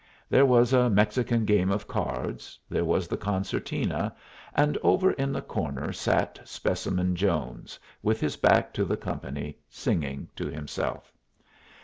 There was a Mexican game of cards; there was the concertina; and over in the corner sat Specimen Jones, with his back to the company, singing to himself.